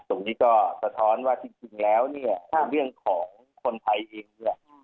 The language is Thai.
ตรงนี้ก็สะท้อนว่าจริงจริงแล้วเนี้ยครับในเรื่องของคนไทยเองด้วย